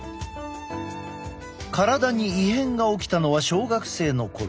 体に異変が起きたのは小学生の頃。